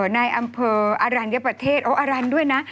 ในอำเภออรัญญประเทศโอ้อรันด้วยนะ